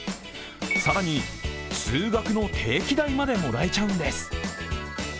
更に、通学の定期代までもらえちゃうんです。